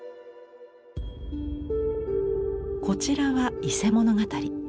こちらは「伊勢物語」。